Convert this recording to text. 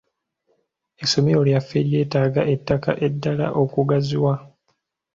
Essomero lyaffe lyetaaga ettaka eddala okugaziwa.